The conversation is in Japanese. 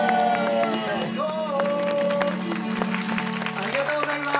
ありがとうございます！